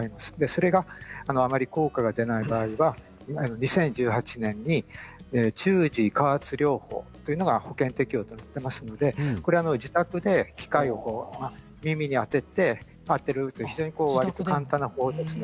それがあまり効果が出ない場合は２０１８年に、中耳加圧療法というのが保険適用となっていますのでこれは自宅で機械を耳に当てるという簡単な方法です。